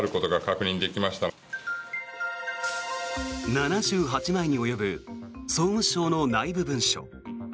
７８枚に及ぶ総務省の内部文書。